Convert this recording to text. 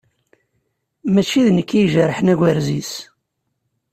Mačči d nekk i ijerḥen agrez-is.